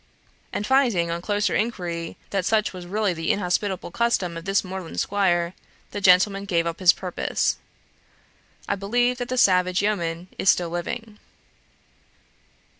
And finding, on closer inquiry, that such was really the inhospitable custom of this moorland squire, the gentleman gave up his purpose. I believe that the savage yeoman is still living.